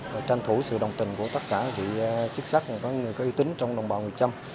và tranh thủ sự đồng tình của tất cả vị chức sắc và các người có y tín trong đồng bào người chăm